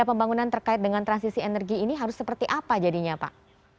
pembangunan terkait dengan transisi energi ini harus seperti apa jadinya pak